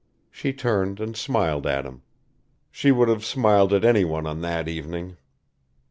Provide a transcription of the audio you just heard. She turned and smiled at him. She would have smiled at anyone on that evening.